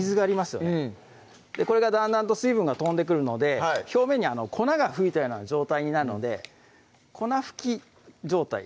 うんこれがだんだんと水分が飛んでくるので表面に粉が吹いたような状態になるので粉吹き状態